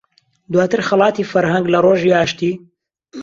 دواتر خەڵاتی فەرهەنگ لە ڕۆژی ئاشتی